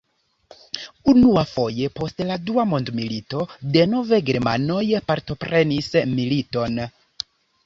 Unuafoje post la Dua mondmilito, denove germanoj partoprenis militon.